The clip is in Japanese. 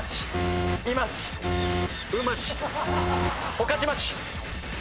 御徒町。